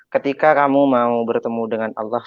ketika kamu mau bertemu dengan allah